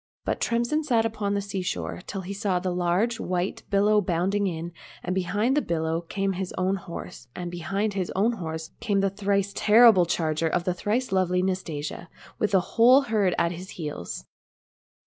But Tremsin sat upon the sea shore till he saw the large white billow bounding in, and behind the billow came his own horse, and behind his own horse came the thrice terrible charger of the thrice lovely Nastasia, with the whole herd at his heels.